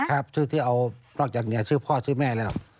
ครับชื่อที่เอานอกจากนี้ชื่อพ่อชื่อแม่แล้ว